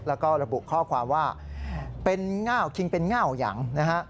แล้วก็ระบุข้อความว่าเป็นเง่าคิงเป็นเง่ายังนะฮะ